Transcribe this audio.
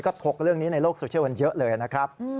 ก็ถกเรื่องนี้ในโลกโซเชียลกันเยอะเลยนะครับ